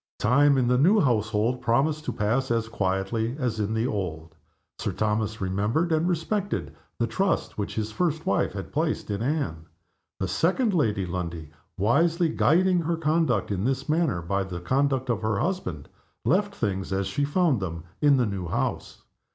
Time, in the new household, promised to pass as quietly as in the old. Sir Thomas remembered and respected the trust which his first wife had placed in Anne. The second Lady Lundie, wisely guiding her conduct in this matter by the conduct of her husband, left things as she found them in the new house.